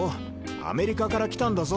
アメリカから来たんだぞ